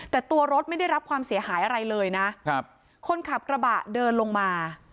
แต่ตัวรถไม่ได้รับความเสียหายอะไรเลยนะครับคนขับกระบะเดินลงมา